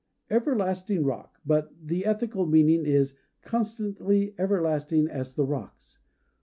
"Everlasting Rock," but the ethical meaning is "Constancy everlasting as the Rocks."